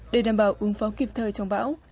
để đảm bảo ứng phóng kịp thời trong bão